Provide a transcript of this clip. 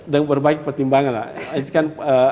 dan berbagai pertimbangan